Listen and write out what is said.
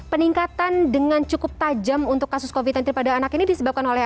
peningkatan dengan cukup tajam untuk kasus covid sembilan belas pada anak ini disebabkan oleh